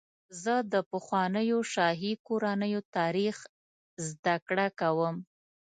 زه د پخوانیو شاهي کورنیو تاریخ زدهکړه کوم.